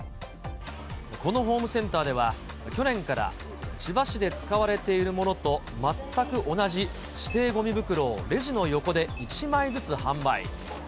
このホームセンターでは、去年から千葉市で使われているものと全く同じ指定ごみ袋をレジの横で１枚ずつ販売。